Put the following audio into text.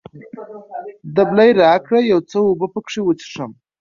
دبلی راکړه، یو څه اوبه پکښې وڅښم.